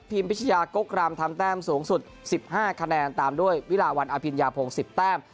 พีมพิชยากกรามทำแต้มสูงสุดสิบห้าแนนตามด้วยวิลาหวันอภิญญาโพงสิบแต้ม